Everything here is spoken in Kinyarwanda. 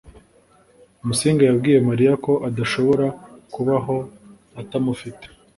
musinga yabwiye mariya ko adashobora kubaho atamufite